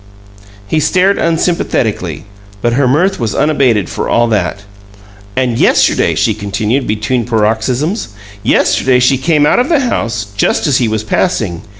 He stared unsympathetically, but her mirth was unabated for all that. "And yesterday," she continued, between paroxysms "yesterday she came out of the house just as he was passing.